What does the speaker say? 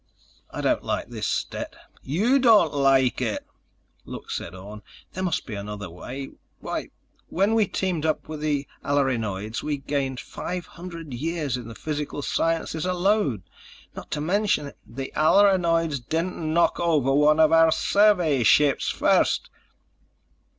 "I don't like this, Stet." "YOU don't like it!" "Look," said Orne. "There must be another way. Why ... when we teamed up with the Alerinoids we gained five hundred years in the physical sciences alone, not to mention the—" "The Alerinoids didn't knock over one of our survey ships first."